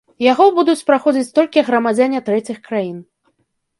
Яго будуць праходзіць толькі грамадзяне трэціх краін.